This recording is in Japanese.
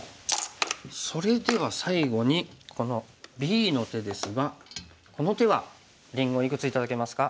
それでは最後にこのＢの手ですがこの手はりんごいくつ頂けますか？